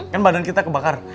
kan badan kita kebakar